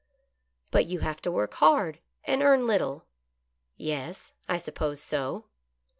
" But you have to work hard, and earn little." "Yes — I suppose so."